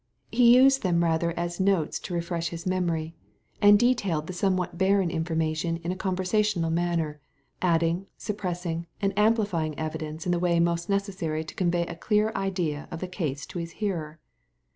He used them rather as notes to refresh his memory, and detailed the somewhat barren information in a conversational manner, add ing, suppressing, and amplifying evidence in the way most necessary to convey a clear idea of the case to his hearer.